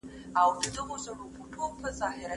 موږ هڅه کوو چې هره ورځ نوي لغاتونه زده کړو.